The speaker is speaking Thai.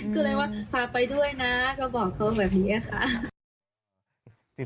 ก็เลยว่าพาไปด้วยนะก็บอกเขาแบบนี้ค่ะ